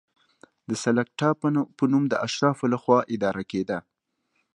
د سلکتا په نوم د اشرافو له خوا اداره کېده.